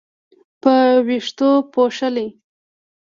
په وېښتو پوښلې